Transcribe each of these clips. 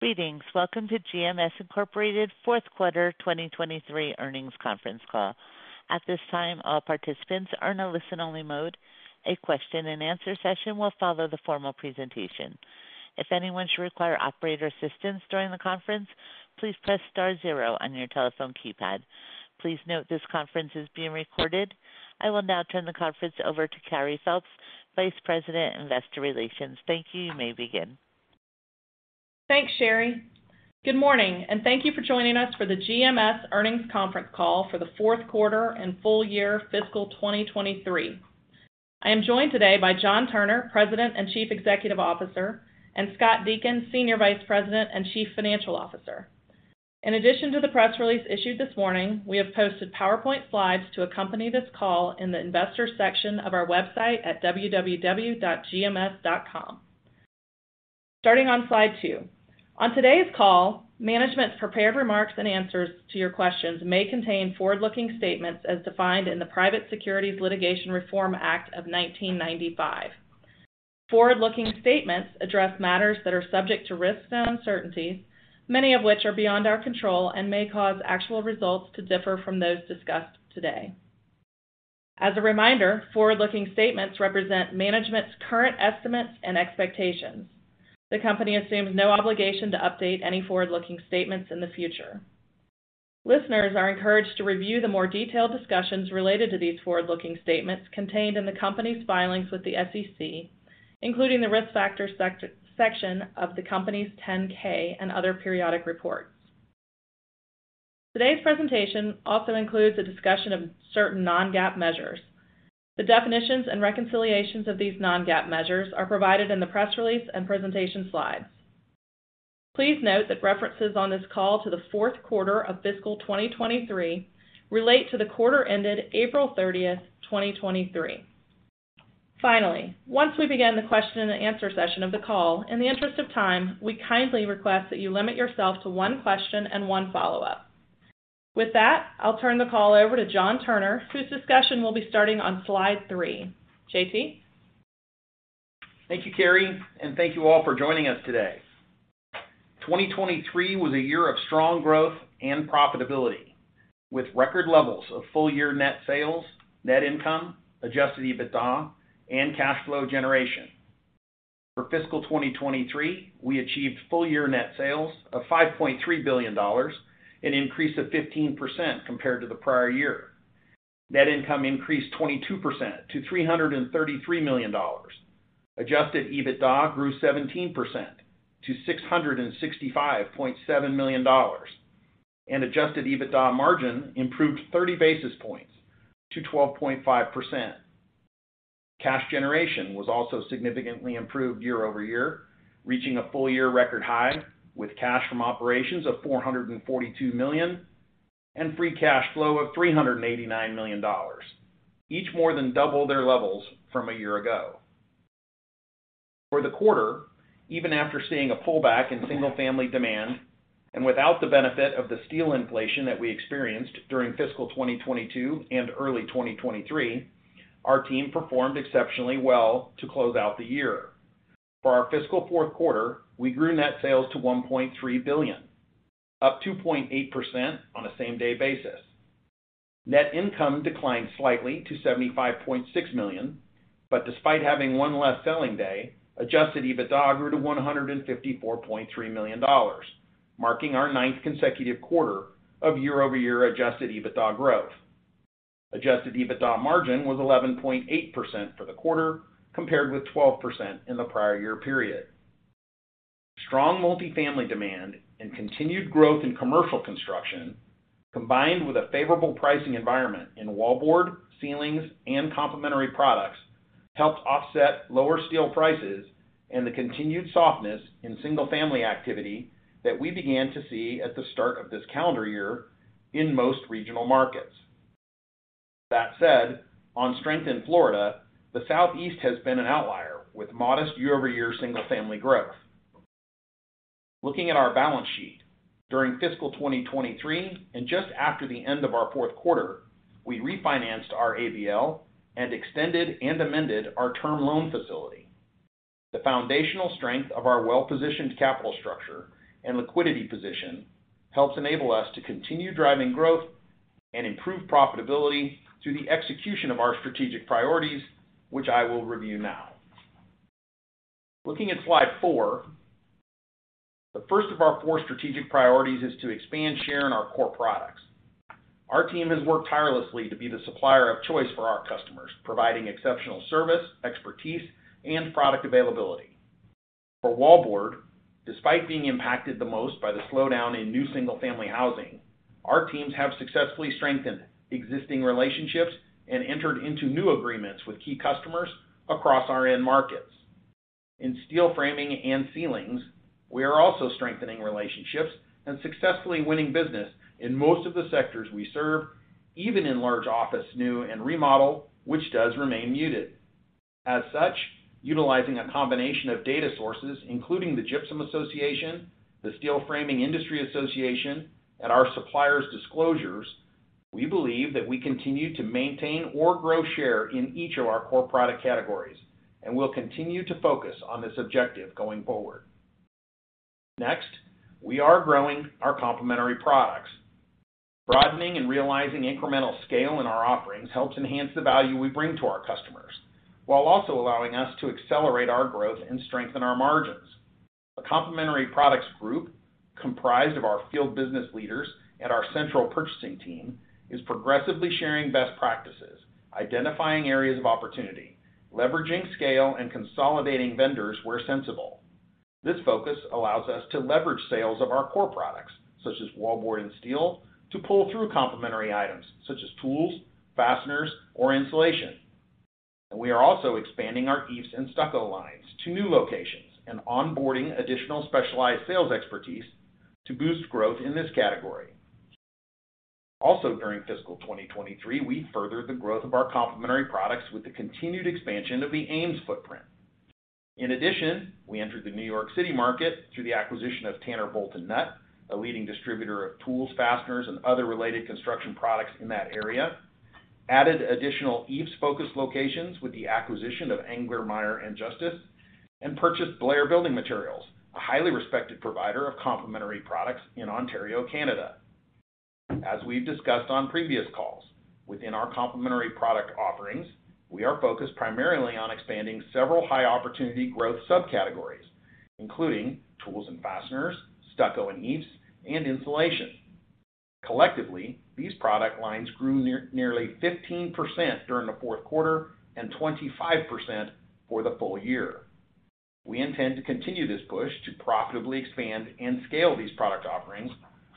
Greetings. Welcome to GMS Inc. Fourth Quarter 2023 Earnings Conference Call. At this time, all participants are in a listen-only mode. A question-and-answer session will follow the formal presentation. If anyone should require operator assistance during the conference, please press star 0 on your telephone keypad. Please note this conference is being recorded. I will now turn the conference over to Carey Phelps, Vice President, Investor Relations. Thank you. You may begin. Thanks, Sherry. Good morning, and thank you for joining us for the GMS Earnings Conference Call for the fourth quarter and full year fiscal 2023. I am joined today by John Turner, President and Chief Executive Officer, and Scott Deakin, Senior Vice President and Chief Financial Officer. In addition to the press release issued this morning, we have posted PowerPoint slides to accompany this call in the Investors section of our website at www.gms.com. Starting on slide two. On today's call, management's prepared remarks and answers to your questions may contain forward-looking statements as defined in the Private Securities Litigation Reform Act of 1995. Forward-looking statements address matters that are subject to risks and uncertainties, many of which are beyond our control and may cause actual results to differ from those discussed today. As a reminder, forward-looking statements represent management's current estimates and expectations. The company assumes no obligation to update any forward-looking statements in the future. Listeners are encouraged to review the more detailed discussions related to these forward-looking statements contained in the company's filings with the SEC, including the Risk Factors section of the company's 10-K and other periodic reports. Today's presentation also includes a discussion of certain non-GAAP measures. The definitions and reconciliations of these non-GAAP measures are provided in the press release and presentation slides. Please note that references on this call to the fourth quarter of fiscal 2023 relate to the quarter ended April 30th, 2023. Once we begin the question and answer session of the call, in the interest of time, we kindly request that you limit yourself to one question and one follow-up. With that, I'll turn the call over to John Turner, whose discussion will be starting on slide three. J.T.? Thank you, Carey, and thank you all for joining us today. 2023 was a year of strong growth and profitability, with record levels of full-year net sales, net income, adjusted EBITDA, and cash flow generation. For fiscal 2023, we achieved full-year net sales of $5.3 billion, an increase of 15% compared to the prior year. Net income increased 22% to $333 million. Adjusted EBITDA grew 17% to $665.7 million, and adjusted EBITDA margin improved 30 basis points to 12.5%. Cash generation was also significantly improved year-over-year, reaching a full-year record high, with cash from operations of $442 million, and free cash flow of $389 million, each more than double their levels from a year ago. For the quarter, even after seeing a pullback in single-family demand and without the benefit of the steel inflation that we experienced during fiscal 2022 and early 2023, our team performed exceptionally well to close out the year. For our fiscal fourth quarter, we grew net sales to $1.3 billion, up 2.8% on a same-day basis. Net income declined slightly to $75.6 million, but despite having one less selling day, Adjusted EBITDA grew to $154.3 million, marking our ninth consecutive quarter of year-over-year Adjusted EBITDA growth. Adjusted EBITDA margin was 11.8% for the quarter, compared with 12% in the prior year period. Strong multifamily demand and continued growth in commercial construction, combined with a favorable pricing environment in wallboard, ceilings, and complementary products, helped offset lower steel prices and the continued softness in single-family activity that we began to see at the start of this calendar year in most regional markets. That said, on strength in Florida, the Southeast has been an outlier, with modest year-over-year single-family growth. Looking at our balance sheet, during fiscal 2023 and just after the end of our fourth quarter, we refinanced our ABL and extended and amended our term loan facility. The foundational strength of our well-positioned capital structure and liquidity position helps enable us to continue driving growth and improve profitability through the execution of our strategic priorities, which I will review now. Looking at slide four, the first of our four strategic priorities is to expand share in our core products. Our team has worked tirelessly to be the supplier of choice for our customers, providing exceptional service, expertise, and product availability. For wallboard, despite being impacted the most by the slowdown in new single-family housing, our teams have successfully strengthened existing relationships and entered into new agreements with key customers across our end markets. In steel framing and ceilings, we are also strengthening relationships and successfully winning business in most of the sectors we serve, even in large office, new and remodel, which does remain muted. Utilizing a combination of data sources, including the Gypsum Association, the Steel Framing Industry Association, and our suppliers' disclosures. We believe that we continue to maintain or grow share in each of our core product categories, and we'll continue to focus on this objective going forward. We are growing our complementary products. Broadening and realizing incremental scale in our offerings helps enhance the value we bring to our customers, while also allowing us to accelerate our growth and strengthen our margins. A complementary products group, comprised of our field business leaders and our central purchasing team, is progressively sharing best practices, identifying areas of opportunity, leveraging scale, and consolidating vendors where sensible. This focus allows us to leverage sales of our core products, such as wallboard and steel, to pull through complementary items such as tools, fasteners, or insulation. We are also expanding our eaves and stucco lines to new locations and onboarding additional specialized sales expertise to boost growth in this category. During fiscal 2023, we furthered the growth of our complementary products with the continued expansion of the AMES footprint. We entered the New York City market through the acquisition of Tanner Bolt and Nut, a leading distributor of tools, fasteners, and other related construction products in that area, added additional EIFS-focused locations with the acquisition of Engler, Meier & Justus, and purchased Blair Building Materials, a highly respected provider of complementary products in Ontario, Canada. As we've discussed on previous calls, within our complementary product offerings, we are focused primarily on expanding several high-opportunity growth subcategories, including tools and fasteners, stucco and EIFS, and insulation. Collectively, these product lines grew nearly 15% during the fourth quarter and 25% for the full year. We intend to continue this push to profitably expand and scale these product offerings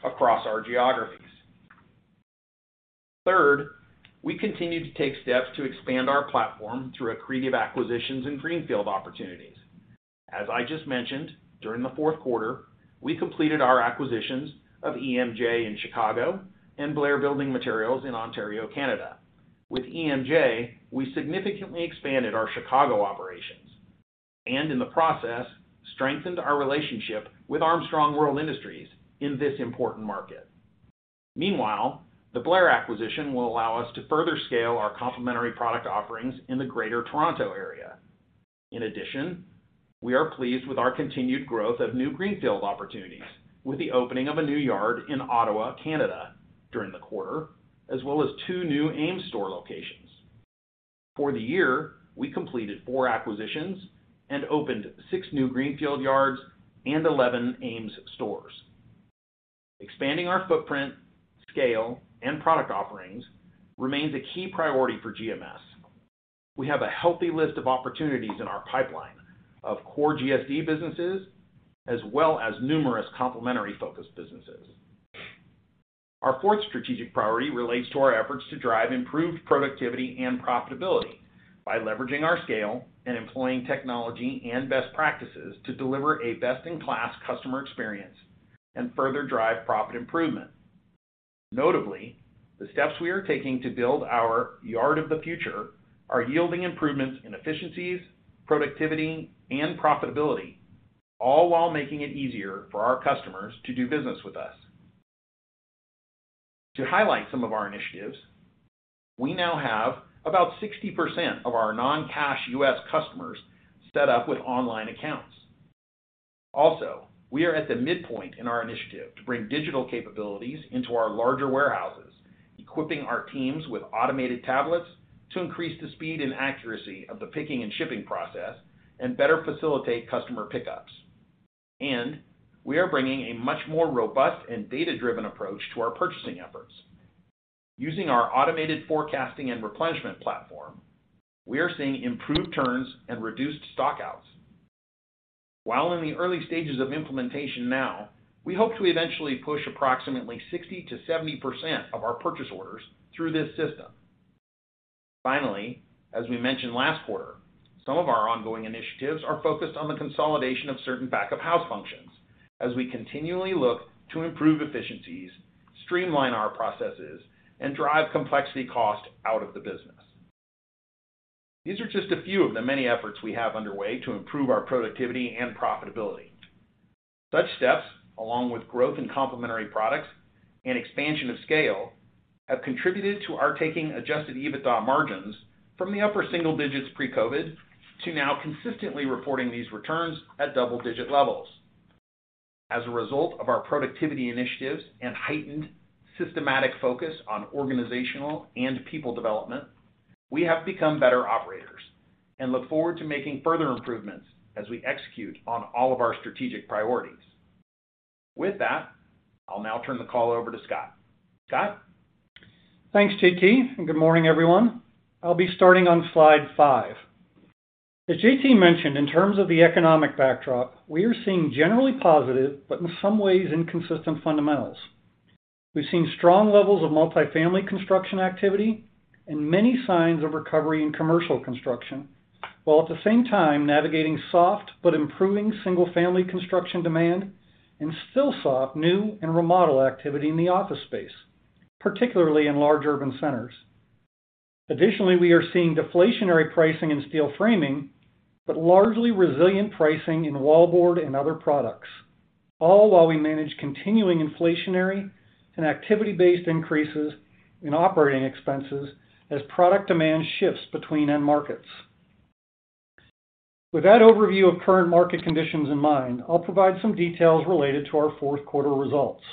across our geographies. Third, we continue to take steps to expand our platform through accretive acquisitions and greenfield opportunities. As I just mentioned, during the fourth quarter, we completed our acquisitions of EMJ in Chicago and Blair Building Materials in Ontario, Canada. With EMJ, we significantly expanded our Chicago operations and, in the process, strengthened our relationship with Armstrong World Industries in this important market. Meanwhile, the Blair acquisition will allow us to further scale our complementary product offerings in the Greater Toronto area. In addition, we are pleased with our continued growth of new greenfield opportunities with the opening of a new yard in Ottawa, Canada, during the quarter, as well as two new AMES store locations. For the year, we completed four acquisitions and opened six new greenfield yards and 11 AMES stores. Expanding our footprint, scale, and product offerings remains a key priority for GMS. We have a healthy list of opportunities in our pipeline of core GSD businesses, as well as numerous complementary focused businesses. Our fourth strategic priority relates to our efforts to drive improved productivity and profitability by leveraging our scale and employing technology and best practices to deliver a best-in-class customer experience and further drive profit improvement. Notably, the steps we are taking to build our yard of the future are yielding improvements in efficiencies, productivity, and profitability, all while making it easier for our customers to do business with us. To highlight some of our initiatives, we now have about 60% of our non-cash U.S. customers set up with online accounts. We are at the midpoint in our initiative to bring digital capabilities into our larger warehouses, equipping our teams with automated tablets to increase the speed and accuracy of the picking and shipping process and better facilitate customer pickups. We are bringing a much more robust and data-driven approach to our purchasing efforts. Using our automated forecasting and replenishment platform, we are seeing improved turns and reduced stockouts. While in the early stages of implementation now, we hope to eventually push approximately 60%-70% of our purchase orders through this system. Finally, as we mentioned last quarter, some of our ongoing initiatives are focused on the consolidation of certain back-of-house functions as we continually look to improve efficiencies, streamline our processes, and drive complexity cost out of the business. These are just a few of the many efforts we have underway to improve our productivity and profitability. Such steps, along with growth in complementary products and expansion of scale, have contributed to our taking adjusted EBITDA margins from the upper single digits pre-COVID to now consistently reporting these returns at double-digit levels. As a result of our productivity initiatives and heightened systematic focus on organizational and people development, we have become better operators and look forward to making further improvements as we execute on all of our strategic priorities. With that, I'll now turn the call over to Scott. Scott? Thanks, JT. Good morning, everyone. I'll be starting on slide five. As JT mentioned, in terms of the economic backdrop, we are seeing generally positive but in some ways inconsistent fundamentals. We've seen strong levels of multifamily construction activity and many signs of recovery in commercial construction, while at the same time navigating soft but improving single-family construction demand and still soft new and remodel activity in the office space, particularly in large urban centers. Additionally, we are seeing deflationary pricing in steel framing, but largely resilient pricing in wallboard and other products, all while we manage continuing inflationary and activity-based increases in operating expenses as product demand shifts between end markets. With that overview of current market conditions in mind, I'll provide some details related to our fourth quarter results.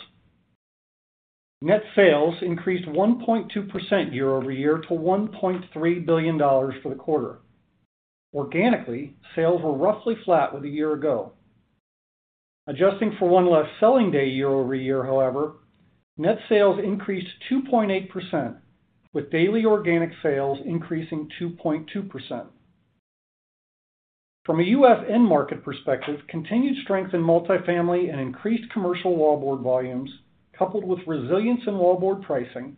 Net sales increased 1.2% year-over-year to $1.3 billion for the quarter. Organically, sales were roughly flat with a year ago. Adjusting for one less selling day year-over-year, however, net sales increased 2.8%, with daily organic sales increasing 2.2%. From a U.S. end market perspective, continued strength in multifamily and increased commercial wallboard volumes, coupled with resilience in wallboard pricing,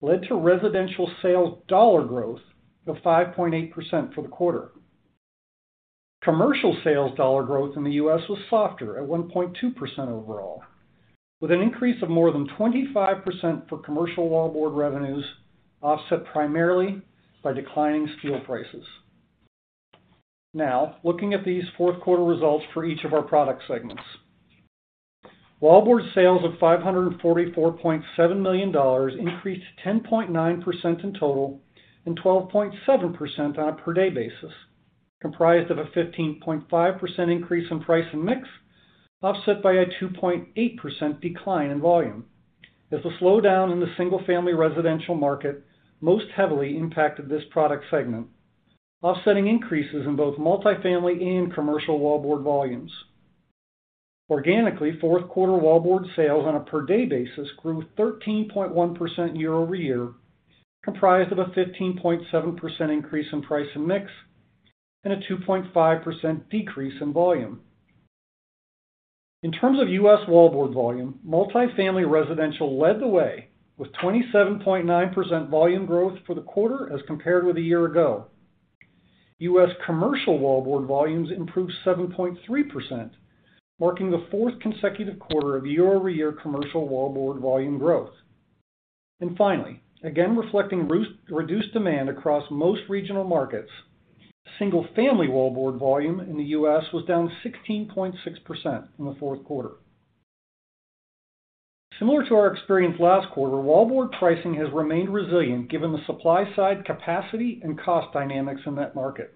led to residential sales dollar growth of 5.8% for the quarter. Commercial sales dollar growth in the U.S. was softer at 1.2% overall, with an increase of more than 25% for commercial wallboard revenues, offset primarily by declining steel prices. Looking at these fourth quarter results for each of our product segments. Wallboard sales of $544.7 million increased 10.9% in total and 12.7% on a per-day basis, comprised of a 15.5% increase in price and mix, offset by a 2.8% decline in volume. A slowdown in the single-family residential market most heavily impacted this product segment, offsetting increases in both multifamily and commercial wallboard volumes. Organically, fourth quarter wallboard sales on a per-day basis grew 13.1% year-over-year, comprised of a 15.7% increase in price and mix, and a 2.5% decrease in volume. In terms of U.S. wallboard volume, multifamily residential led the way with 27.9% volume growth for the quarter as compared with a year ago. US commercial wallboard volumes improved 7.3%, marking the fourth consecutive quarter of year-over-year commercial wallboard volume growth. Finally, again, reflecting reduced demand across most regional markets, single-family wallboard volume in the US was down 16.6% in the fourth quarter. Similar to our experience last quarter, wallboard pricing has remained resilient given the supply-side capacity and cost dynamics in that market.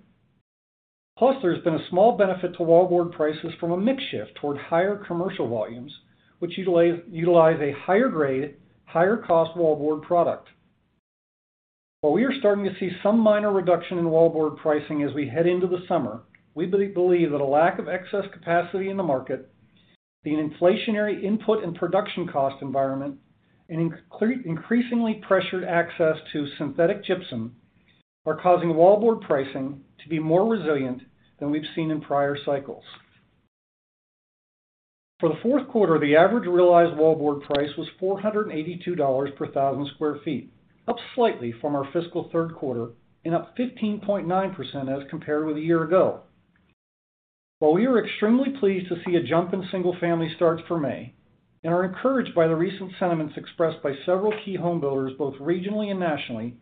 There's been a small benefit to wallboard prices from a mix shift toward higher commercial volumes, which utilize a higher grade, higher cost wallboard product. While we are starting to see some minor reduction in wallboard pricing as we head into the summer, we believe that a lack of excess capacity in the market, the inflationary input and production cost environment, and increasingly pressured access to synthetic gypsum are causing wallboard pricing to be more resilient than we've seen in prior cycles. For the fourth quarter, the average realized wallboard price was $482 per 1,000 sq ft, up slightly from our fiscal third quarter and up 15.9% as compared with a year ago. While we are extremely pleased to see a jump in single-family starts for May, and are encouraged by the recent sentiments expressed by several key home builders, both regionally and nationally,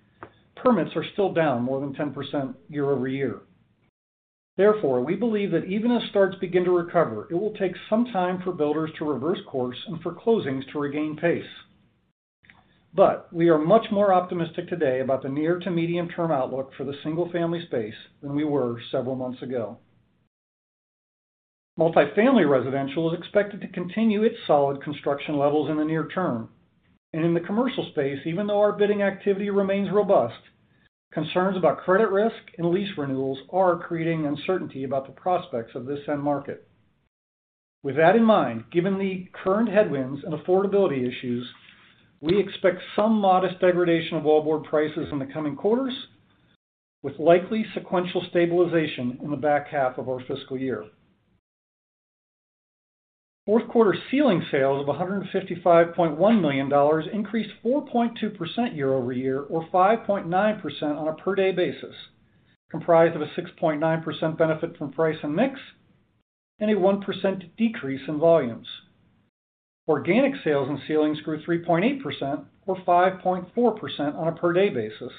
permits are still down more than 10% year-over-year. Therefore, we believe that even as starts begin to recover, it will take some time for builders to reverse course and for closings to regain pace. We are much more optimistic today about the near to medium-term outlook for the single-family space than we were several months ago. Multifamily residential is expected to continue its solid construction levels in the near term. In the commercial space, even though our bidding activity remains robust, concerns about credit risk and lease renewals are creating uncertainty about the prospects of this end market. With that in mind, given the current headwinds and affordability issues, we expect some modest degradation of wallboard prices in the coming quarters, with likely sequential stabilization in the back half of our fiscal year. Fourth quarter ceiling sales of $155.1 million increased 4.2% year-over-year or 5.9% on a per-day basis, comprised of a 6.9% benefit from price and mix, and a 1% decrease in volumes. Organic sales in ceilings grew 3.8% or 5.4% on a per-day basis,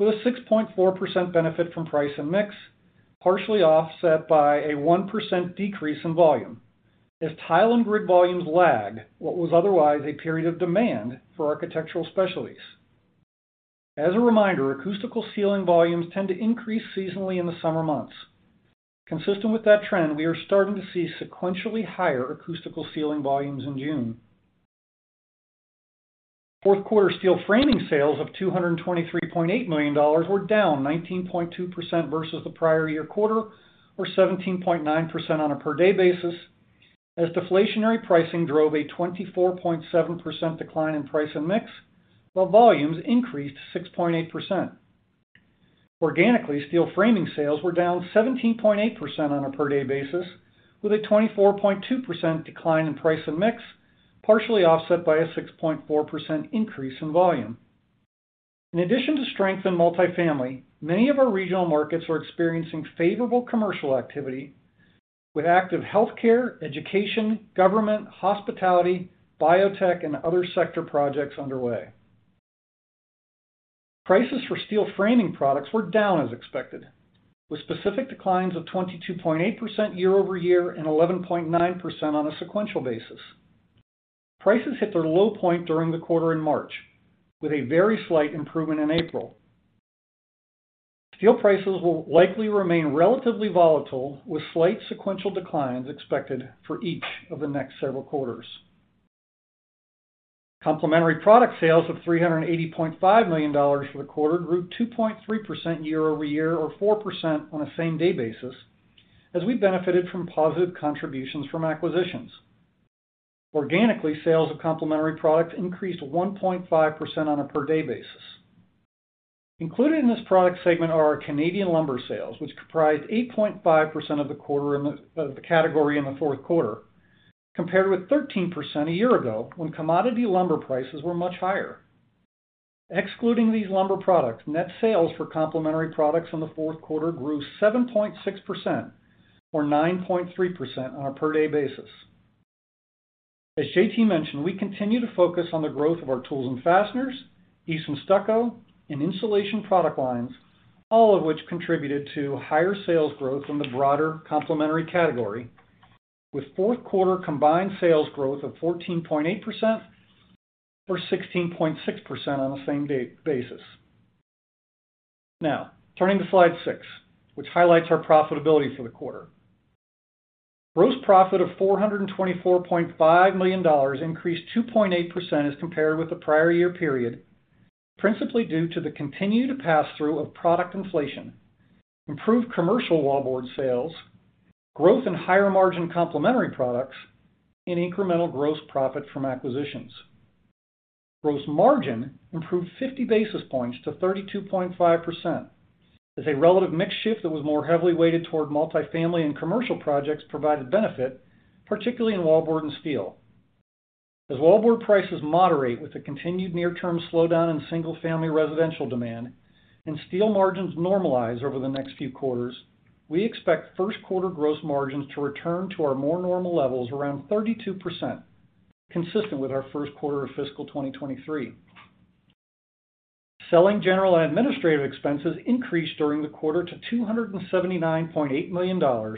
with a 6.4% benefit from price and mix, partially offset by a 1% decrease in volume, as tile and grid volumes lag, what was otherwise a period of demand for architectural specialties. As a reminder, acoustical ceiling volumes tend to increase seasonally in the summer months. Consistent with that trend, we are starting to see sequentially higher acoustical ceiling volumes in June. Fourth quarter steel framing sales of $223.8 million were down 19.2% versus the prior year quarter, or 17.9% on a per-day basis, as deflationary pricing drove a 24.7% decline in price and mix, while volumes increased 6.8%. Organically, steel framing sales were down 17.8% on a per-day basis, with a 24.2% decline in price and mix, partially offset by a 6.4% increase in volume. In addition to strength in multifamily, many of our regional markets are experiencing favorable commercial activity. With active healthcare, education, government, hospitality, biotech, and other sector projects underway. Prices for steel framing products were down as expected, with specific declines of 22.8% year-over-year and 11.9% on a sequential basis. Prices hit their low point during the quarter in March, with a very slight improvement in April. Steel prices will likely remain relatively volatile, with slight sequential declines expected for each of the next several quarters. Complementary product sales of $380.5 million for the quarter grew 2.3% year-over-year or 4% on a same-day basis, as we benefited from positive contributions from acquisitions. Organically, sales of complementary products increased 1.5% on a per day basis. Included in this product segment are our Canadian lumber sales, which comprised 8.5% of the quarter in the category in the fourth quarter, compared with 13% a year ago, when commodity lumber prices were much higher. Excluding these lumber products, net sales for complementary products in the fourth quarter grew 7.6% or 9.3% on a per day basis. As JT mentioned, we continue to focus on the growth of our tools and fasteners, EIFS and stucco, and insulation product lines, all of which contributed to higher sales growth in the broader complementary category, with fourth quarter combined sales growth of 14.8% or 16.6% on the same day basis. Turning to Slide six, which highlights our profitability for the quarter. Gross profit of $424.5 million increased 2.8% as compared with the prior year period, principally due to the continued pass-through of product inflation, improved commercial wallboard sales, growth in higher margin complementary products, and incremental gross profit from acquisitions. Gross margin improved 50 basis points to 32.5%, as a relative mix shift that was more heavily weighted toward multifamily and commercial projects provided benefit, particularly in wallboard and steel. As wallboard prices moderate, with a continued near-term slowdown in single-family residential demand and steel margins normalize over the next few quarters, we expect first quarter gross margins to return to our more normal levels around 32%, consistent with our first quarter of fiscal 2023. Selling general and administrative expenses increased during the quarter to $279.8 million,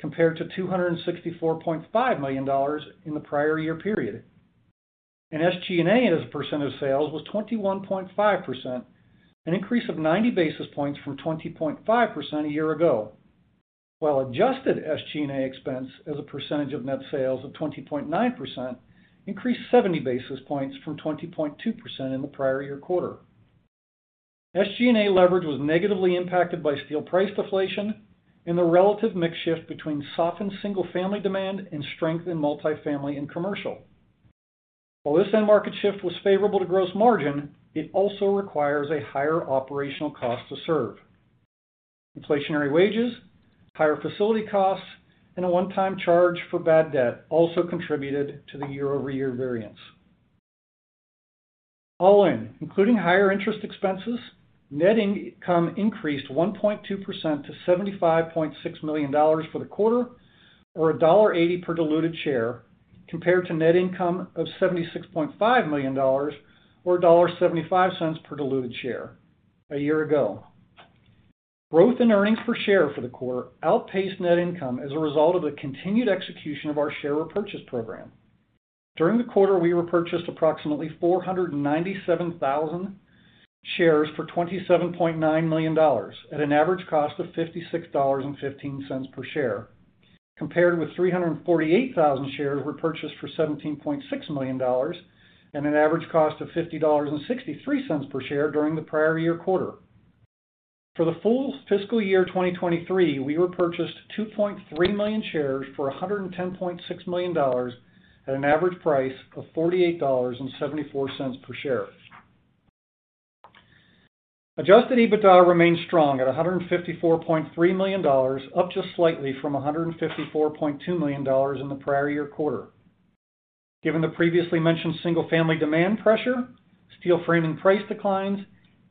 compared to $264.5 million in the prior year period. SG&A, as a percent of sales, was 21.5%, an increase of 90 basis points from 20.5% a year ago, while adjusted SG&A expense as a percentage of net sales of 20.9% increased 70 basis points from 20.2% in the prior year quarter. SG&A leverage was negatively impacted by steel price deflation and the relative mix shift between softened single-family demand and strength in multifamily and commercial. While this end market shift was favorable to gross margin, it also requires a higher operational cost to serve. Inflationary wages, higher facility costs, and a one-time charge for bad debt also contributed to the year-over-year variance. All in, including higher interest expenses, net income increased 1.2% to $75.6 million for the quarter or $1.80 per diluted share, compared to net income of $76.5 million or $1.75 per diluted share a year ago. Growth in earnings per share for the quarter outpaced net income as a result of the continued execution of our share repurchase program. During the quarter, we repurchased approximately 497,000 shares for $27.9 million at an average cost of $56.15 per share, compared with 348,000 shares repurchased for $17.6 million and an average cost of $50.63 per share during the prior year quarter. For the full fiscal year 2023, we repurchased 2.3 million shares for $110.6 million at an average price of $48.74 per share. Adjusted EBITDA remains strong at $154.3 million, up just slightly from $154.2 million in the prior year quarter. Given the previously mentioned single-family demand pressure, steel framing price declines,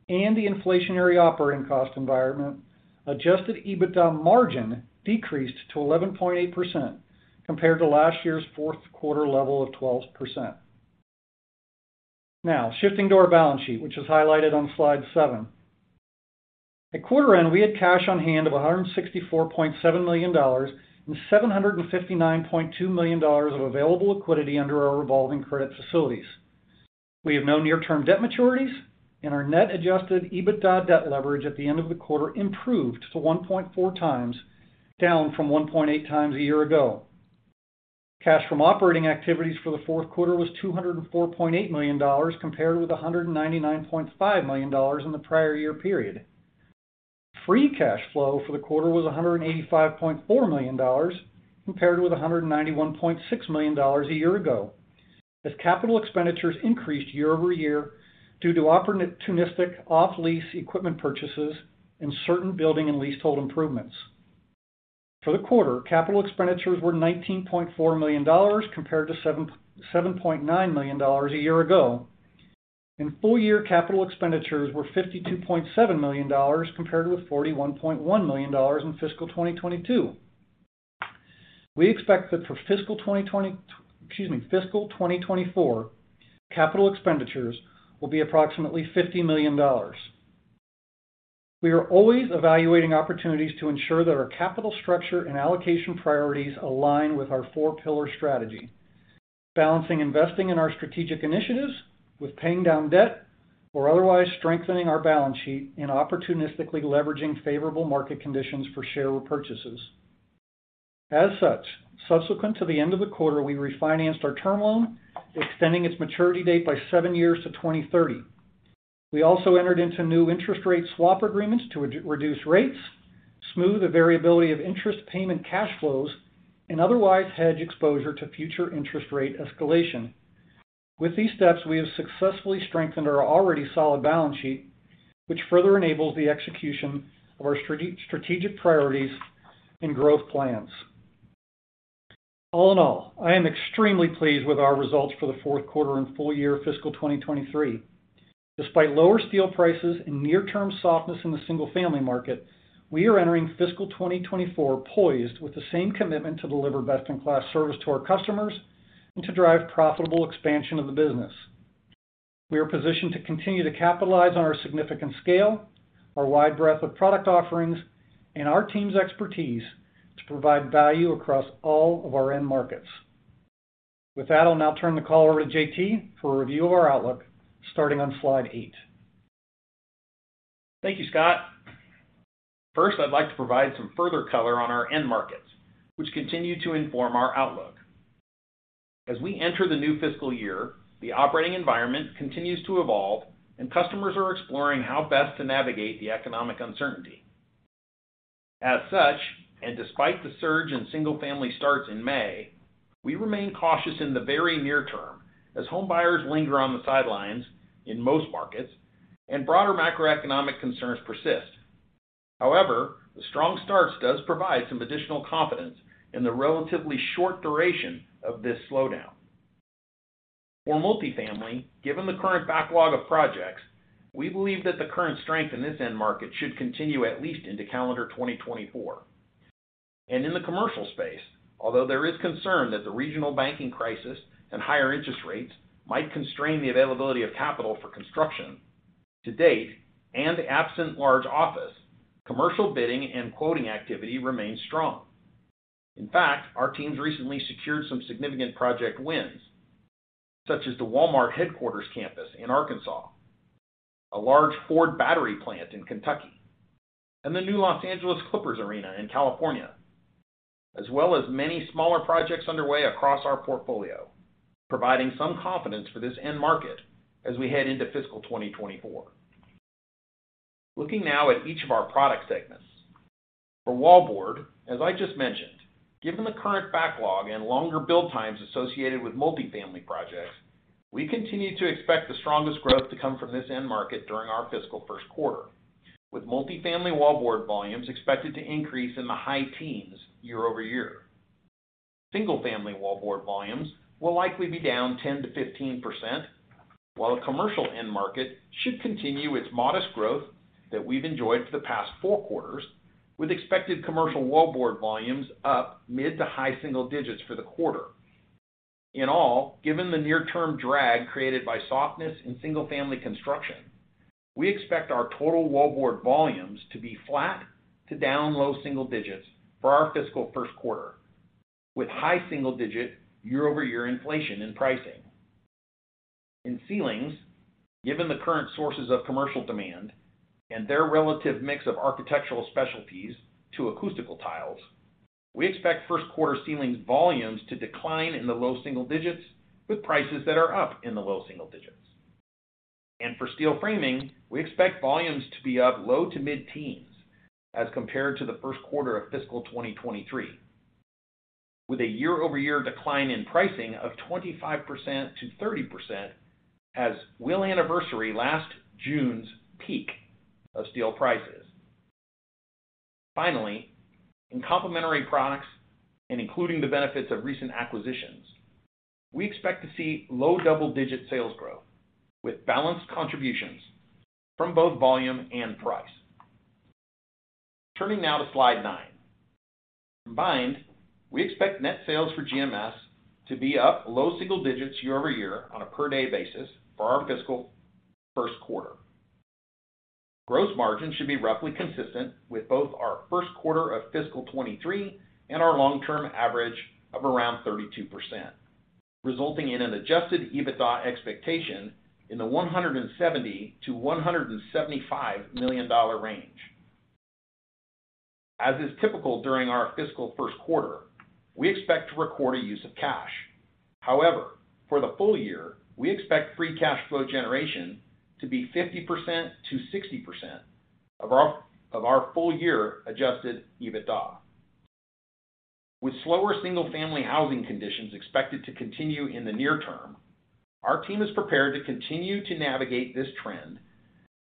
and the inflationary operating cost environment, Adjusted EBITDA margin decreased to 11.8% compared to last year's fourth quarter level of 12%. Now, shifting to our balance sheet, which is highlighted on Slide seven. At quarter end, we had cash on hand of $164.7 million and $759.2 million of available liquidity under our revolving credit facilities. We have no near-term debt maturities. Our net adjusted EBITDA debt leverage at the end of the quarter improved to 1.4x, down from 1.8x a year ago. Cash from operating activities for the fourth quarter was $204.8 million, compared with $199.5 million in the prior year period. Free cash flow for the quarter was $185.4 million, compared with $191.6 million a year ago, as capital expenditures increased year-over-year due to opportunistic off-lease equipment purchases and certain building and leasehold improvements. For the quarter, capital expenditures were $19.4 million, compared to $7.9 million a year ago. In full year, capital expenditures were $52.7 million compared with $41.1 million in fiscal 2022. We expect that for fiscal 2020, excuse me, fiscal 2024, capital expenditures will be approximately $50 million. We are always evaluating opportunities to ensure that our capital structure and allocation priorities align with our four pillar strategy, balancing investing in our strategic initiatives with paying down debt or otherwise strengthening our balance sheet and opportunistically leveraging favorable market conditions for share repurchases. As such, subsequent to the end of the quarter, we refinanced our term loan, extending its maturity date by seven years to 2030. We also entered into new interest rate swap agreements to re-reduce rates, smooth the variability of interest payment cash flows, and otherwise hedge exposure to future interest rate escalation. With these steps, we have successfully strengthened our already solid balance sheet, which further enables the execution of our strategic priorities and growth plans. All in all, I am extremely pleased with our results for the fourth quarter and full year fiscal 2023. Despite lower steel prices and near-term softness in the single-family market, we are entering fiscal 2024, poised with the same commitment to deliver best-in-class service to our customers and to drive profitable expansion of the business. We are positioned to continue to capitalize on our significant scale, our wide breadth of product offerings, and our team's expertise to provide value across all of our end markets. With that, I'll now turn the call over to JT for a review of our outlook, starting on slide eight. Thank you, Scott. First, I'd like to provide some further color on our end markets, which continue to inform our outlook. As we enter the new fiscal year, the operating environment continues to evolve, and customers are exploring how best to navigate the economic uncertainty. As such, and despite the surge in single-family starts in May, we remain cautious in the very near term as homebuyers linger on the sidelines in most markets and broader macroeconomic concerns persist. However, the strong starts does provide some additional confidence in the relatively short duration of this slowdown. For multifamily, given the current backlog of projects, we believe that the current strength in this end market should continue at least into calendar 2024. In the commercial space, although there is concern that the regional banking crisis and higher interest rates might constrain the availability of capital for construction, to date, and absent large office, commercial bidding and quoting activity remains strong. In fact, our teams recently secured some significant project wins, such as the Walmart headquarters campus in Arkansas, a large Ford battery plant in Kentucky, and the new Los Angeles Clippers Arena in California, as well as many smaller projects underway across our portfolio, providing some confidence for this end market as we head into fiscal 2024. Looking now at each of our product segments. For wallboard, as I just mentioned, given the current backlog and longer build times associated with multifamily projects, we continue to expect the strongest growth to come from this end market during our fiscal first quarter, with multifamily wallboard volumes expected to increase in the high teens year-over-year. Single-family wallboard volumes will likely be down 10%-15%, while the commercial end market should continue its modest growth that we've enjoyed for the past four quarters, with expected commercial wallboard volumes up mid to high single digits for the quarter. In all, given the near-term drag created by softness in single-family construction, we expect our total wallboard volumes to be flat to down low single digits for our fiscal first quarter, with high single-digit year-over-year inflation in pricing. In ceilings, given the current sources of commercial demand and their relative mix of architectural specialties to acoustical tiles, we expect first quarter ceilings volumes to decline in the low single digits, with prices that are up in the low single digits. For steel framing, we expect volumes to be up low to mid-teens as compared to the first quarter of fiscal 2023, with a year-over-year decline in pricing of 25%-30%, as will anniversary last June's peak of steel prices. In complementary products and including the benefits of recent acquisitions, we expect to see low double-digit sales growth with balanced contributions from both volume and price. Turning now to slide nine. Combined, we expect net sales for GMS to be up low single digits year-over-year on a per-day basis for our fiscal first quarter. Gross margin should be roughly consistent with both our first quarter of fiscal 2023 and our long-term average of around 32%, resulting in an adjusted EBITDA expectation in the $170 million-$175 million range. As is typical during our fiscal first quarter, we expect to record a use of cash. However, for the full year, we expect free cash flow generation to be 50%-60% of our full-year adjusted EBITDA. With slower single-family housing conditions expected to continue in the near term, our team is prepared to continue to navigate this trend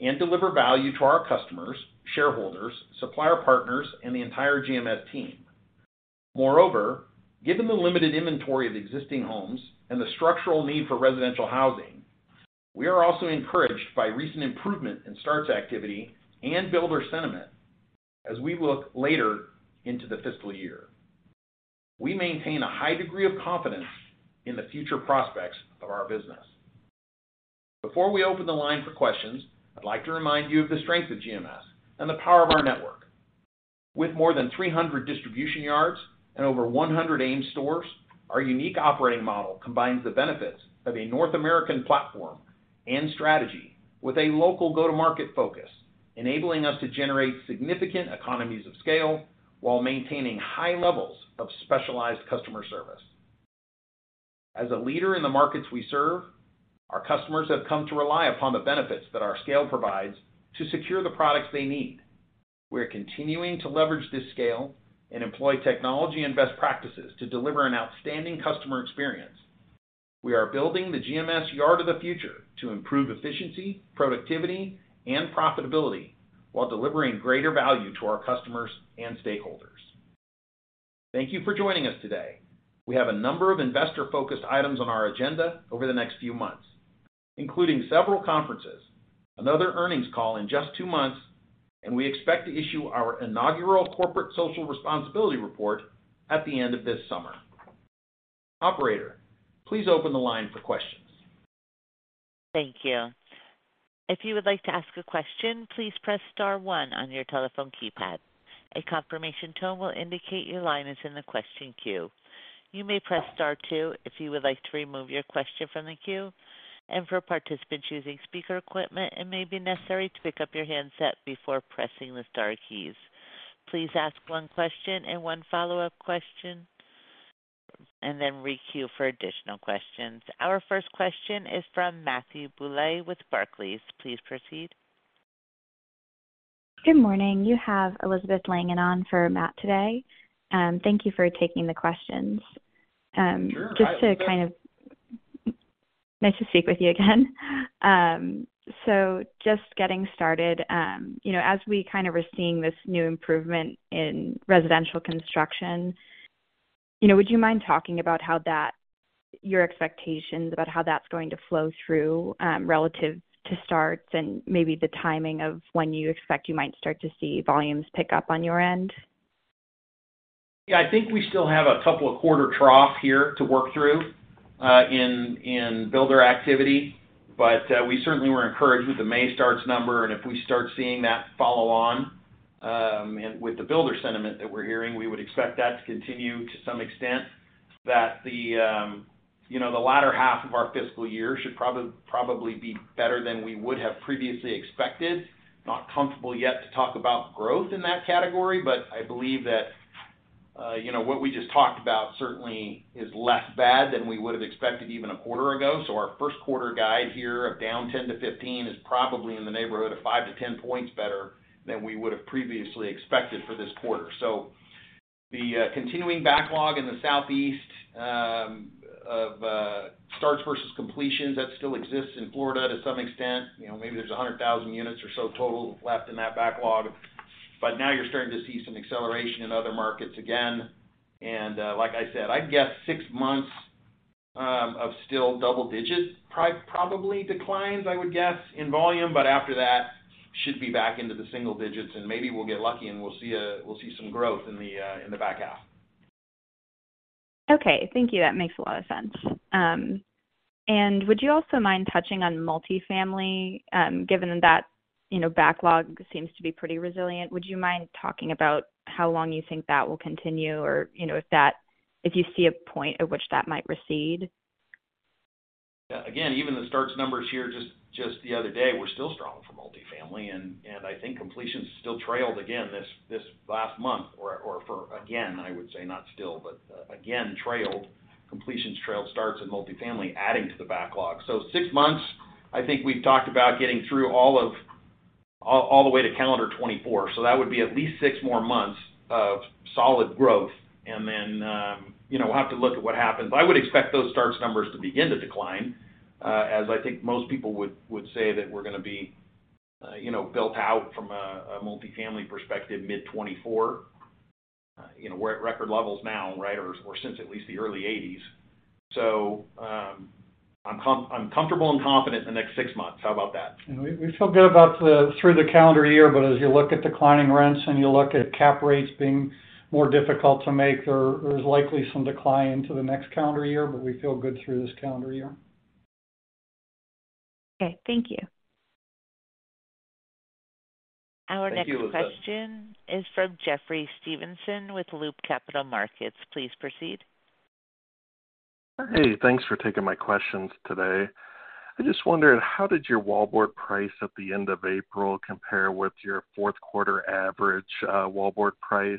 and deliver value to our customers, shareholders, supplier partners, and the entire GMS team.... Moreover, given the limited inventory of existing homes and the structural need for residential housing, we are also encouraged by recent improvement in starts activity and builder sentiment as we look later into the fiscal year. We maintain a high degree of confidence in the future prospects of our business. Before we open the line for questions, I'd like to remind you of the strength of GMS and the power of our network. With more than 300 distribution yards and over 100 AMES stores, our unique operating model combines the benefits of a North American platform and strategy with a local go-to-market focus, enabling us to generate significant economies of scale while maintaining high levels of specialized customer service. As a leader in the markets we serve, our customers have come to rely upon the benefits that our scale provides to secure the products they need. We're continuing to leverage this scale and employ technology and best practices to deliver an outstanding customer experience. We are building the GMS yard of the future to improve efficiency, productivity, and profitability while delivering greater value to our customers and stakeholders. Thank you for joining us today. We have a number of investor-focused items on our agenda over the next few months, including several conferences, another earnings call in just two months, and we expect to issue our inaugural corporate social responsibility report at the end of this summer. Operator, please open the line for questions. Thank you. If you would like to ask a question, please press star one on your telephone keypad. A confirmation tone will indicate your line is in the question queue. You may press star two if you would like to remove your question from the queue, and for participants using speaker equipment, it may be necessary to pick up your handset before pressing the star keys. Please ask one question and one follow-up question, and then re-queue for additional questions. Our first question is from Matthew Bouley with Barclays. Please proceed. Good morning, you have Elizabeth Langan on for Matt today. Thank you for taking the questions. Sure, hi, Elizabeth. Nice to speak with you again. Just getting started, you know, as we kind of are seeing this new improvement in residential construction, you know, would you mind talking about your expectations about how that's going to flow through, relative to starts and maybe the timing of when you expect you might start to see volumes pick up on your end? I think we still have a couple of quarter trough here to work through in builder activity, but we certainly were encouraged with the May starts number, and if we start seeing that follow on, and with the builder sentiment that we're hearing, we would expect that to continue to some extent, that the, you know, the latter half of our fiscal year should probably be better than we would have previously expected. Not comfortable yet to talk about growth in that category, but I believe that, you know, what we just talked about certainly is less bad than we would have expected even a quarter ago. Our first quarter guide here of down 10%-15% is probably in the neighborhood of 5-10 points better than we would have previously expected for this quarter. The continuing backlog in the Southeast, of starts versus completions, that still exists in Florida to some extent. You know, maybe there's 100,000 units or so total left in that backlog, but now you're starting to see some acceleration in other markets again. Like I said, I'd guess six months of still double digits, probably declines, I would guess, in volume. After that, should be back into the single digits, and maybe we'll get lucky and we'll see some growth in the back half. Okay, thank you. That makes a lot of sense. Would you also mind touching on multifamily? Given that, you know, backlog seems to be pretty resilient, would you mind talking about how long you think that will continue or, you know, if you see a point at which that might recede? Again, even the starts numbers here just the other day were still strong for multifamily, and I think completions still trailed again this last month or for again, I would say, not still, but again, trailed. Completions trailed starts in multifamily, adding to the backlog. Six months, I think we've talked about getting through all the way to calendar 2024. That would be at least 6 more months of solid growth. Then, you know, we'll have to look at what happens. I would expect those starts numbers to begin to decline, as I think most people would say that we're going to be, you know, built out from a multifamily perspective mid-2024. You know, we're at record levels now, right? Since at least the early 1980s. I'm comfortable and confident in the next six months. How about that? We feel good about the, through the calendar year, but as you look at declining rents and you look at cap rates being more difficult to make, there's likely some decline into the next calendar year, but we feel good through this calendar year. Okay, thank you. Thank you, Elizabeth. Our next question is from Jeffrey Stevenson with Loop Capital Markets. Please proceed. Hey, thanks for taking my questions today. I just wondered, how did your wallboard price at the end of April compare with your fourth quarter average wallboard price?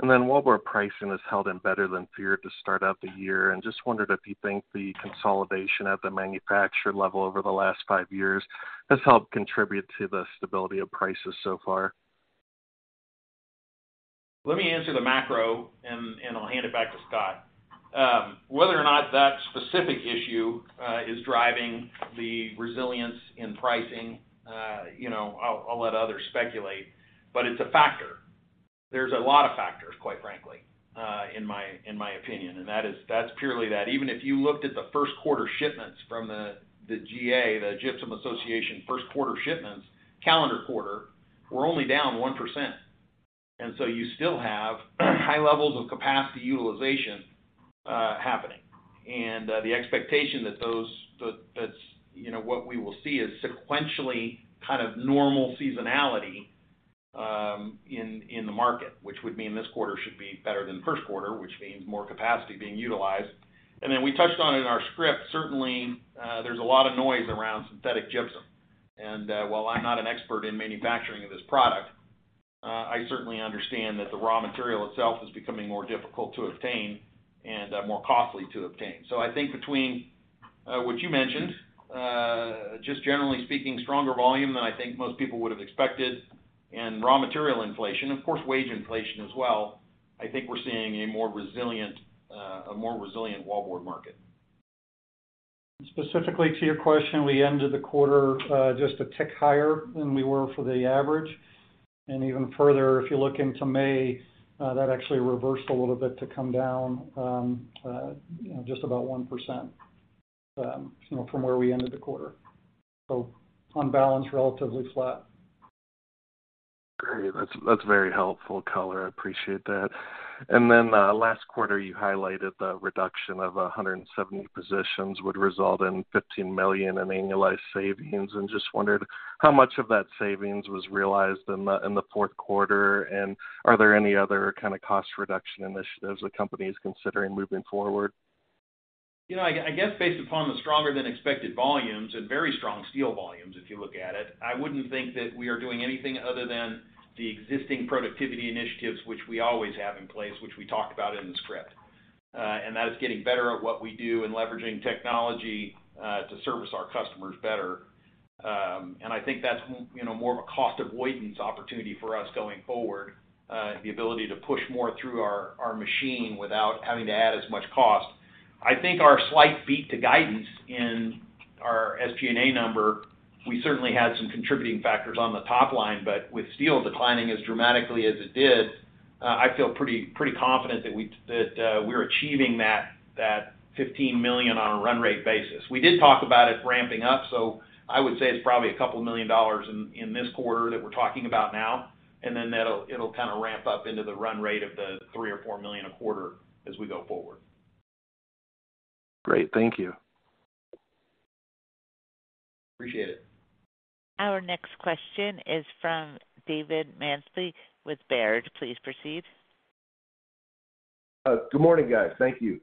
Wallboard pricing has held in better than feared to start out the year. Just wondered if you think the consolidation at the manufacturer level over the last five years has helped contribute to the stability of prices so far. Let me answer the macro, and I'll hand it back to Scott. Whether or not that specific issue is driving the resilience in pricing? You know, I'll let others speculate, but it's a factor. There's a lot of factors, quite frankly, in my opinion, and that's purely that. Even if you looked at the first quarter shipments from the GA, the Gypsum Association, first quarter shipments, calendar quarter, we're only down 1%. You still have high levels of capacity utilization happening. The expectation that that's, you know, what we will see is sequentially kind of normal seasonality in the market, which would mean this quarter should be better than the first quarter, which means more capacity being utilized. Then we touched on it in our script, certainly, there's a lot of noise around synthetic gypsum. While I'm not an expert in manufacturing of this product, I certainly understand that the raw material itself is becoming more difficult to obtain and more costly to obtain. I think between what you mentioned, just generally speaking, stronger volume than I think most people would have expected, and raw material inflation, of course, wage inflation as well, I think we're seeing a more resilient, a more resilient wallboard market. Specifically to your question, we ended the quarter, just a tick higher than we were for the average. Even further, if you look into May, that actually reversed a little bit to come down, you know, just about 1%, you know, from where we ended the quarter. On balance, relatively flat. Great. That's, that's very helpful color. I appreciate that. Last quarter, you highlighted the reduction of 170 positions would result in $15 million in annualized savings. Just wondered, how much of that savings was realized in the fourth quarter? Are there any other kind of cost reduction initiatives the company is considering moving forward? You know, I guess based upon the stronger than expected volumes and very strong steel volumes, if you look at it, I wouldn't think that we are doing anything other than the existing productivity initiatives, which we always have in place, which we talked about in the script. That is getting better at what we do and leveraging technology, to service our customers better. I think that's you know, more of a cost avoidance opportunity for us going forward, the ability to push more through our machine without having to add as much cost. I think our slight beat to guidance in our SG&A number, we certainly had some contributing factors on the top line, but with steel declining as dramatically as it did, I feel pretty confident that we're achieving that $15 million on a run rate basis. We did talk about it ramping up. I would say it's probably a couple million dollars in this quarter that we're talking about now, and then it'll kind of ramp up into the run rate of the $3 million-$4 million a quarter as we go forward. Great. Thank you. Appreciate it. Our next question is from David Manthey with Baird. Please proceed. Good morning, guys. Thank you.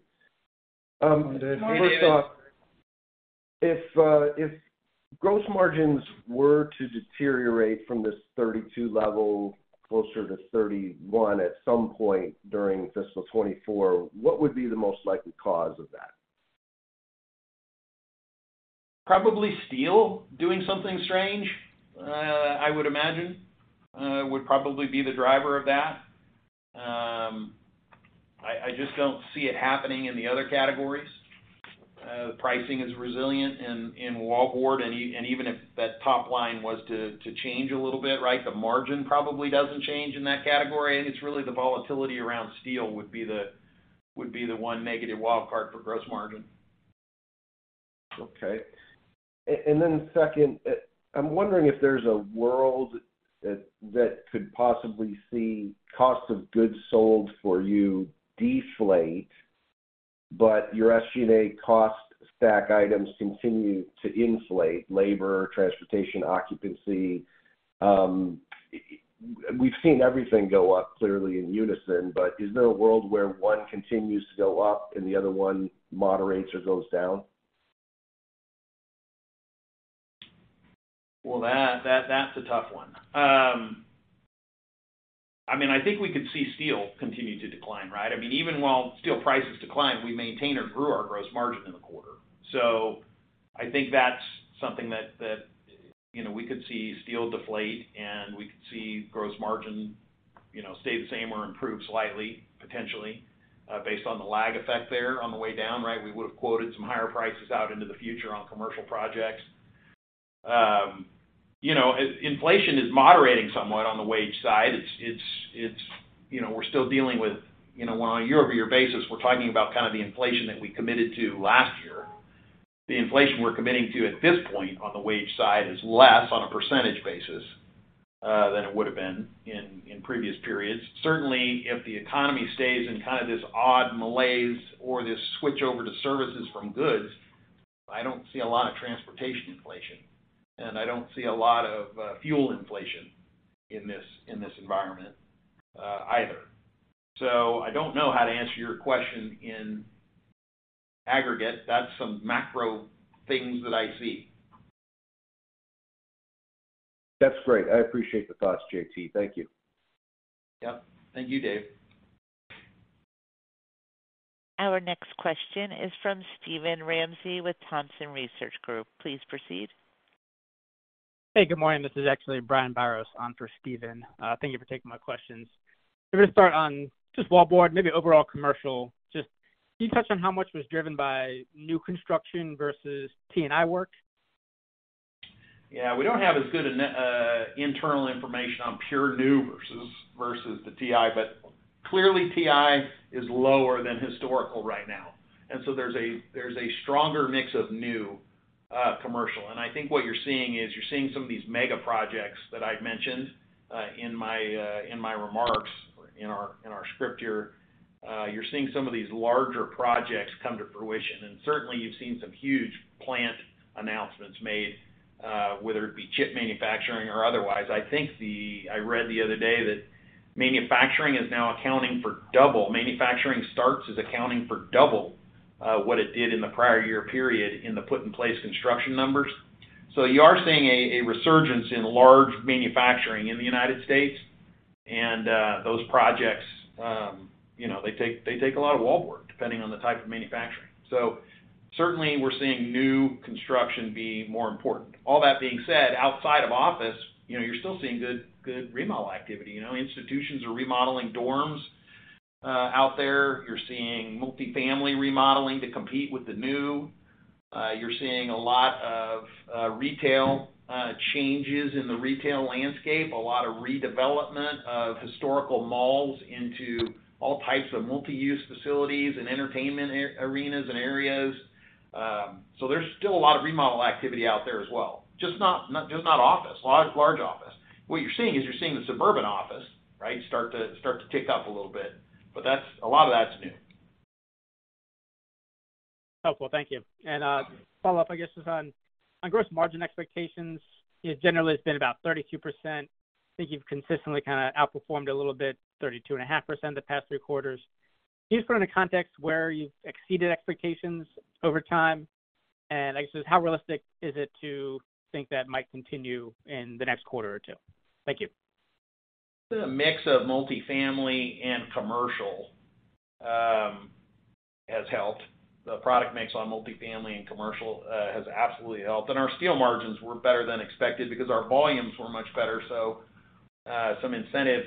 Good morning, David. First off, if gross margins were to deteriorate from this 32% level, closer to 31% at some point during fiscal 2024, what would be the most likely cause of that? Probably steel doing something strange, I would imagine, would probably be the driver of that. I just don't see it happening in the other categories. The pricing is resilient in wallboard, and even if that top line was to change a little bit, right, the margin probably doesn't change in that category. It's really the volatility around steel would be the one negative wildcard for gross margin. Okay. Second, I'm wondering if there's a world that could possibly see cost of goods sold for you deflate, your SG&A cost stack items continue to inflate: labor, transportation, occupancy. We've seen everything go up clearly in unison, is there a world where one continues to go up and the other one moderates or goes down? Well, that's a tough one. I mean, I think we could see steel continue to decline, right? I mean, even while steel prices decline, we maintained or grew our gross margin in the quarter. I think that's something that, you know, we could see steel deflate, and we could see gross margin, you know, stay the same or improve slightly, potentially, based on the lag effect there on the way down, right? We would have quoted some higher prices out into the future on commercial projects. You know, inflation is moderating somewhat on the wage side. It's, you know, we're still dealing with, you know, on a year-over-year basis, we're talking about kind of the inflation that we committed to last year. The inflation we're committing to at this point on the wage side is less on a percentage basis than it would have been in previous periods. Certainly, if the economy stays in kind of this odd malaise or this switch over to services from goods, I don't see a lot of transportation inflation, and I don't see a lot of fuel inflation in this environment either. I don't know how to answer your question in aggregate. That's some macro things that I see. That's great. I appreciate the thoughts, JT. Thank you. Yep. Thank you, Dave. Our next question is from Steven Ramsey with Thompson Research Group. Please proceed. Hey, good morning. This is actually Brian Biros on for Steven. Thank you for taking my questions. I'm gonna start on just wallboard, maybe overall commercial.... Can you touch on how much was driven by new construction versus T&I work? We don't have as good internal information on pure new versus the T&I, but clearly, T&I is lower than historical right now. There's a stronger mix of new commercial. I think what you're seeing is, you're seeing some of these mega projects that I'd mentioned in my remarks, in our script here. You're seeing some of these larger projects come to fruition, and certainly, you've seen some huge plant announcements made, whether it be chip manufacturing or otherwise. I think I read the other day that manufacturing is now accounting for double manufacturing starts is accounting for double what it did in the prior year period in the put in place construction numbers. You are seeing a resurgence in large manufacturing in the United States, and those projects, you know, they take a lot of wallboard, depending on the type of manufacturing. Certainly, we're seeing new construction be more important. All that being said, outside of office, you know, you're still seeing good remodel activity. You know, institutions are remodeling dorms out there. You're seeing multifamily remodeling to compete with the new. You're seeing a lot of retail changes in the retail landscape, a lot of redevelopment of historical malls into all types of multi-use facilities and entertainment arenas and areas. There's still a lot of remodel activity out there as well, just not office, large office. What you're seeing is you're seeing the suburban office, right, start to tick up a little bit, but that's a lot of that's new. Helpful, thank you. Follow-up, I guess, is on gross margin expectations. It generally has been about 32%. I think you've consistently kind of outperformed a little bit, 32.5% the past three quarters. Can you just put it in a context where you've exceeded expectations over time? I guess, how realistic is it to think that might continue in the next quarter or two? Thank you. The mix of multifamily and commercial has helped. The product mix on multifamily and commercial has absolutely helped. Our steel margins were better than expected because our volumes were much better. Some incentive,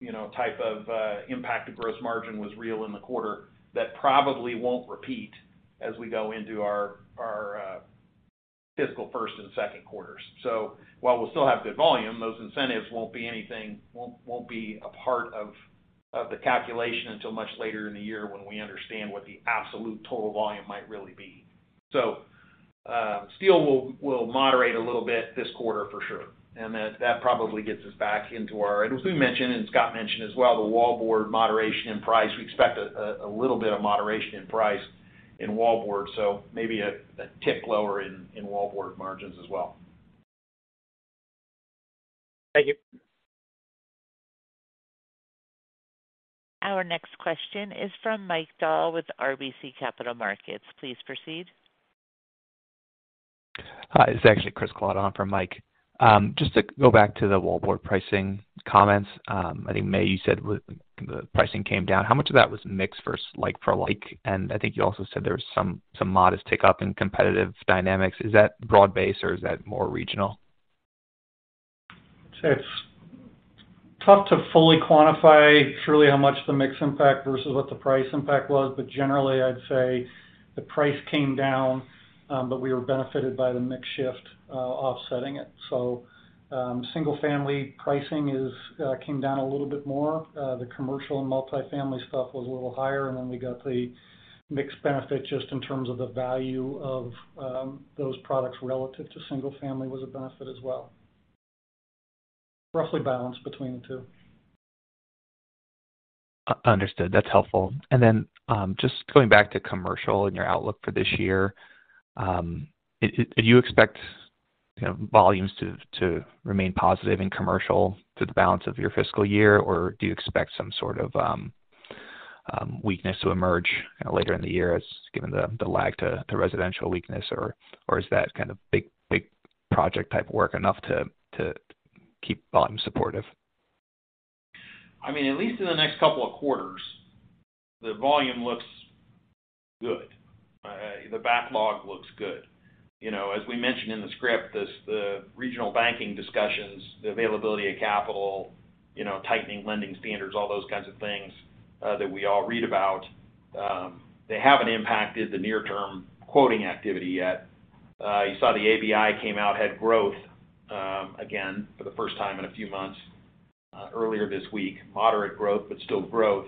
you know, type of impact to gross margin was real in the quarter. That probably won't repeat as we go into our fiscal first and second quarters. While we'll still have good volume, those incentives won't be anything, won't be a part of the calculation until much later in the year when we understand what the absolute total volume might really be. Steel will moderate a little bit this quarter, for sure. That probably gets us back into our... As we mentioned, and Scott mentioned as well, the wallboard moderation in price, we expect a little bit of moderation in price in wallboard, so maybe a tick lower in wallboard margins as well. Thank you. Our next question is from Mike Dahl with RBC Capital Markets. Please proceed. Hi, this is actually Chris Kalata for Mike. just to go back to the wallboard pricing comments, I think, May, you said the pricing came down. How much of that was mix versus like for like? I think you also said there was some modest tick up in competitive dynamics. Is that broad-based or is that more regional? It's tough to fully quantify surely how much the mix impact versus what the price impact was, but generally, I'd say the price came down, but we were benefited by the mix shift, offsetting it. Single family pricing is came down a little bit more. The commercial and multifamily stuff was a little higher, and then we got the mix benefit just in terms of the value of those products relative to single family was a benefit as well. Roughly balanced between the two. Understood. That's helpful. Just going back to commercial and your outlook for this year, do you expect, you know, volumes to remain positive in commercial through the balance of your fiscal year? Or do you expect some sort of weakness to emerge, you know, later in the year as given the lag to residential weakness, or is that kind of big project type work enough to keep bottom supportive? I mean, at least in the next couple of quarters, the volume looks good. The backlog looks good. You know, as we mentioned in the script, this, the regional banking discussions, the availability of capital, you know, tightening lending standards, all those kinds of things, that we all read about, they haven't impacted the near-term quoting activity yet. You saw the ABI came out, had growth, again, for the first time in a few months, earlier this week, moderate growth, but still growth.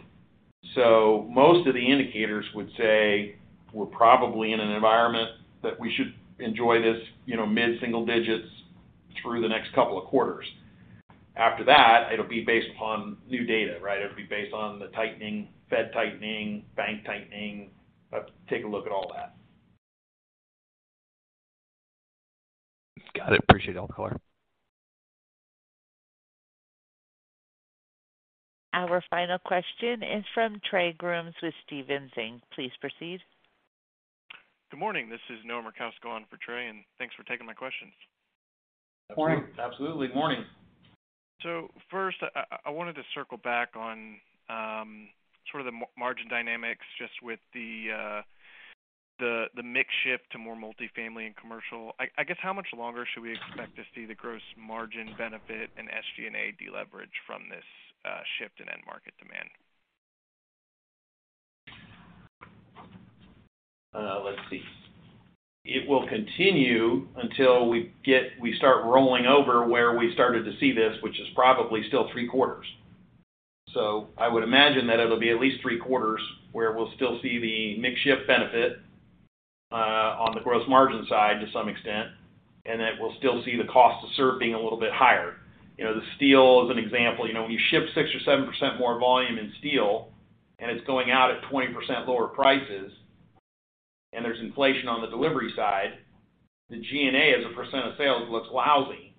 Most of the indicators would say we're probably in an environment that we should enjoy this, you know, mid-single digits through the next couple of quarters. After that, it'll be based upon new data, right? It'll be based on the tightening, Fed tightening, bank tightening. Take a look at all that. Got it. Appreciate all the color. Our final question is from Trey Grooms with Stephens Inc. Please proceed. Good morning. This is Noah Merkousko on for Trey, and thanks for taking my questions. Morning. Absolutely. Morning. First, I wanted to circle back on sort of the margin dynamics just with the mix shift to more multifamily and commercial. I guess, how much longer should we expect to see the gross margin benefit and SG&A deleverage from this shift in end market demand? Let's see. It will continue until we start rolling over where we started to see this, which is probably still three quarters. I would imagine that it'll be at least three quarters, where we'll still see the mix shift benefit, on the gross margin side to some extent, and that we'll still see the cost to serve being a little bit higher. You know, the steel is an example. You know, when you ship 6% or 7% more volume in steel, and it's going out at 20% lower prices, and there's inflation on the delivery side, the G&A, as a percentage of sales, looks lousy.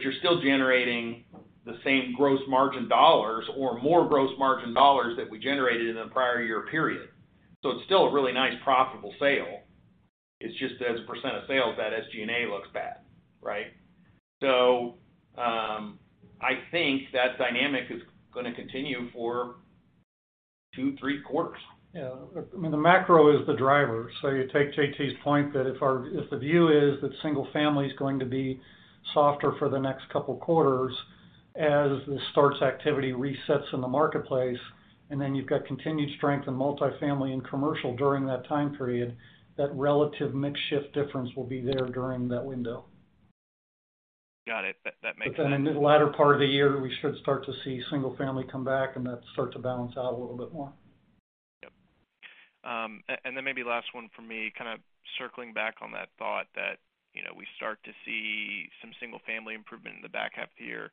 You're still generating the same gross margin dollars or more gross margin dollars than we generated in the prior year period. It's still a really nice, profitable sale. It's just as a percentage of sales, that SG&A looks bad, right? I think that dynamic is gonna continue for two, three quarters. I mean, the macro is the driver. You take JT's point, that if the view is that single family is going to be softer for the next couple quarters, as the starts activity resets in the marketplace, and then you've got continued strength in multifamily and commercial during that time period, that relative mix shift difference will be there during that window. Got it. That makes sense. In the latter part of the year, we should start to see single family come back, and that start to balance out a little bit more. Yep. And then maybe last one for me, kind of circling back on that thought that, you know, we start to see some single family improvement in the back half of the year.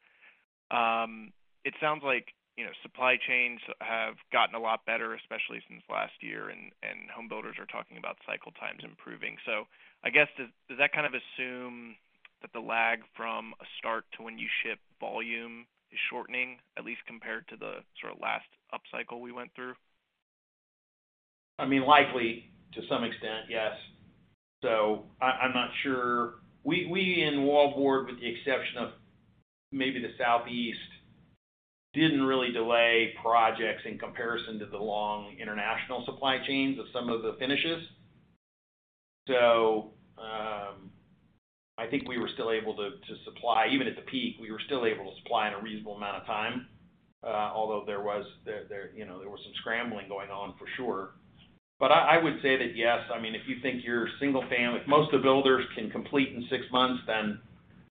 It sounds like, you know, supply chains have gotten a lot better, especially since last year, and homebuilders are talking about cycle times improving. I guess, does that kind of assume that the lag from a start to when you ship volume is shortening, at least compared to the sort of last upcycle we went through? I mean, likely, to some extent, yes. I'm not sure. We in wall board, with the exception of maybe the Southeast, didn't really delay projects in comparison to the long international supply chains of some of the finishes. I think we were still able to supply. Even at the peak, we were still able to supply in a reasonable amount of time, although there was, you know, some scrambling going on for sure. I would say that yes, I mean, if you think your single family... If most of the builders can complete in six months, then,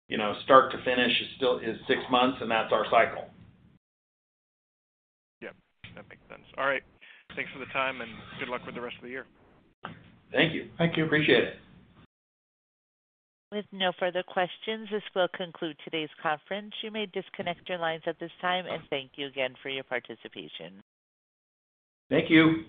you know, start to finish is still six months, and that's our cycle. Yep, that makes sense. All right. Thanks for the time, and good luck with the rest of the year. Thank you. Thank you. Appreciate it. With no further questions, this will conclude today's conference. You may disconnect your lines at this time, and thank you again for your participation. Thank you.